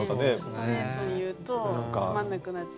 ストレートに言うとつまんなくなっちゃう。